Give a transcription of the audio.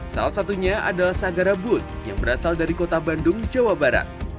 salah satunya adalah sagarabut yang berasal dari kota bandung jawa barat